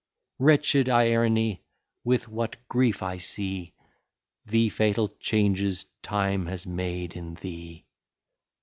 Wretched Ierne! with what grief I see The fatal changes time has made in thee!